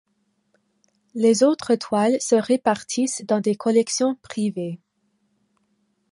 Les autres toiles se répartissent dans des collections privées.